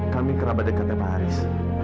kami kerabat dekatnya pak haris